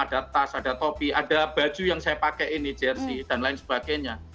ada tas ada topi ada baju yang saya pakai ini jersi dan lain sebagainya